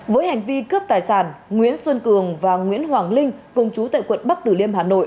với hành vi cướp tài sản nguyễn xuân cường và nguyễn hoàng linh cùng chú tại quận bắc tử liêm hà nội